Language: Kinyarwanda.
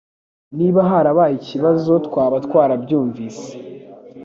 Niba harabaye ikibazo, twaba twarabyumvise